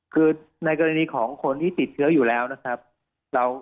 คือในกรณีของคนที่ติดเชื้ออยู่แล้วนะครับ